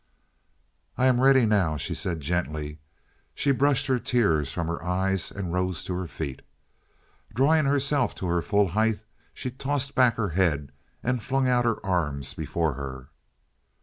"I am ready now," she said gently. She brushed her tears from her eyes and rose to her feet. Drawing herself to her full height, she tossed back her head and flung out her arms before her.